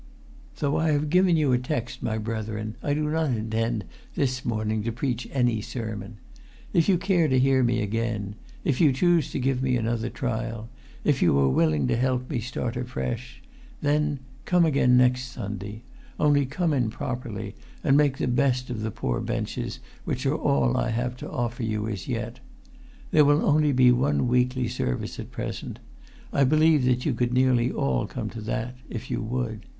"Though I have given you a text, my brethren, I do not intend this morning to preach any sermon. If you care to hear me again—if you choose to give me another trial—if you are willing to help me to start afresh—then come again next Sunday, only come in properly, and make the best of the poor benches which are all I have to offer you as yet. There will only be one weekly service at present. I believe that you could nearly all come to that—if you would!